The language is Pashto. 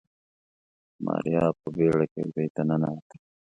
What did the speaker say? ماريا په بيړه کېږدۍ ته ننوته.